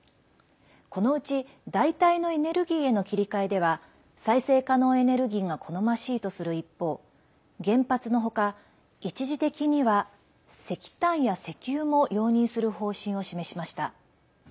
このうち、代替のエネルギーへの切り替えでは再生可能エネルギーが好ましいとする一方原発のほか一時的には、石炭や石油も容認する方針を示しました。